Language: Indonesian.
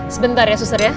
sebentar ya suster ya